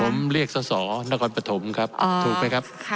ผมเรียกสสนครปฐมครับถูกไหมครับ